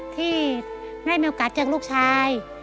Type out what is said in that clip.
ที่ได้มีโอกาสเจอลูกชาย